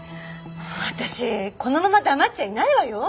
私このまま黙っちゃいないわよ！